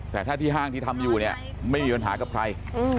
แต่ถ้าที่ห้างที่ทำอยู่เนี่ยไม่มีปัญหากับใคร